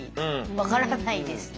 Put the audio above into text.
分からないですね。